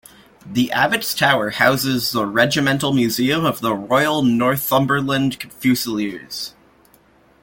The Abbot's Tower houses the Regimental Museum of the Royal Northumberland Fusiliers.